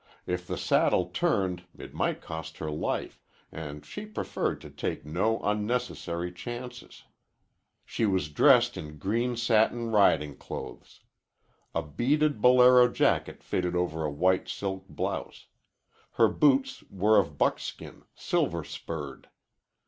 If the saddle turned it might cost her life, and she preferred to take no unnecessary chances. She was dressed in green satin riding clothes. A beaded bolero jacket fitted over a white silk blouse. Her boots were of buckskin, silver spurred.